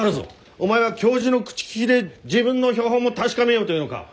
お前は教授の口利きで自分の標本も確かめようというのか？